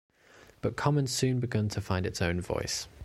But Commons soon began to find its own voice.